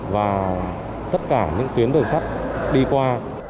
và tất cả những tuyến đường sắt đi qua